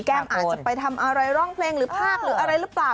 อาจจะไปทำอะไรร้องเพลงหรือภาคหรืออะไรหรือเปล่า